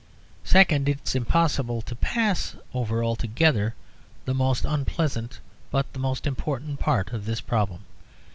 Second, it's impossible to pass over altogether the most unpleasant, but the most important part of this problem.